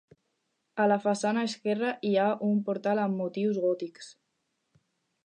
A la façana esquerra hi ha un portal amb motius gòtics.